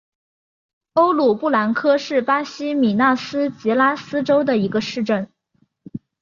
欧鲁布兰科是巴西米纳斯吉拉斯州的一个市镇。